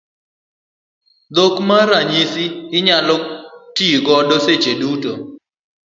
Dhok mar ranyisi inyalo ti godo seche duto.